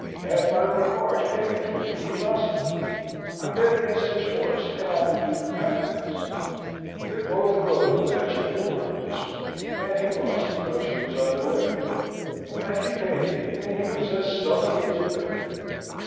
And my Lord March paid me fifty he lost to me. I bet against his horse and on the Duke of Hamilton's! They both rode the match at Newmarket this morning, and he lost because he was under weight. And he paid me, and he was as sulky as a bear.